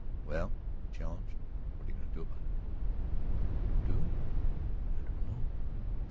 "Well," he challenged, "what are you going to do about it?" "Do? I don't know!"